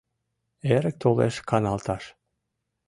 Эрык толеш каналташ;